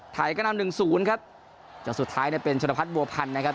ไทยก็นำหนึ่งศูนย์ครับจนสุดท้ายเนี่ยเป็นชนพัฒนบัวพันธ์นะครับ